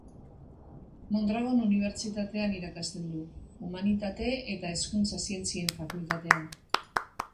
Mondragon Unibertsitatean irakasten du, Humanitate eta Hezkuntza Zientzien Fakultatean.